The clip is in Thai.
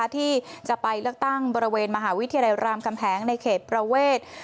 ที่จะไปเลือกตั้งบริเวณมหาวิทยาลัยรามคำแหงในเขตประเวท